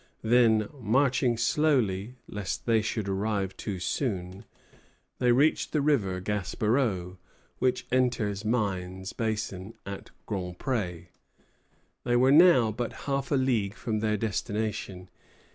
Then, marching slowly, lest they should arrive too soon, they reached the river Gaspereau, which enters Mines Basin at Grand Pré. They were now but half a league from their destination.